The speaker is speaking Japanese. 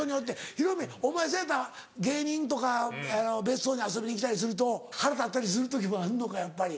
ヒロミお前そやったら芸人とか別荘に遊びに来たりすると腹立ったりする時もあるのかやっぱり。